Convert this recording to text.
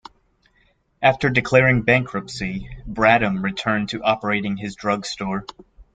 After declaring bankruptcy, Bradham returned to operating his drug store.